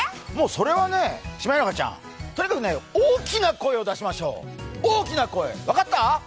それはね、シマエナガちゃんとにかくね、大きな声を出しましょう、大きな声分かった？